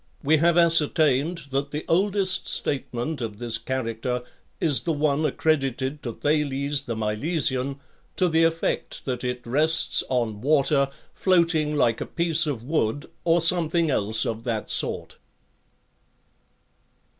We have ascertained that the oldest statement of this character is the one accredited to Thales the Milesian, to the effect that it rests on water, floating like a piece of wood or something else of that sort.!